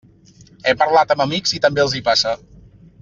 He parlat amb amics i també els hi passa.